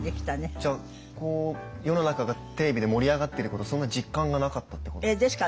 じゃあ世の中がテレビで盛り上がってることそんな実感がなかったってことですか？